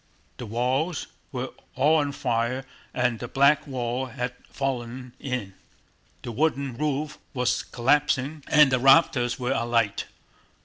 The walls were all on fire and the back wall had fallen in, the wooden roof was collapsing, and the rafters were alight.